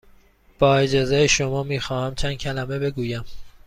با اجازه شما، می خواهم چند کلمه بگویم.